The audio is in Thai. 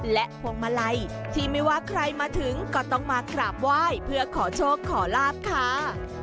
และพวงมาลัยที่ไม่ว่าใครมาถึงก็ต้องมากราบไหว้เพื่อขอโชคขอลาบค่ะ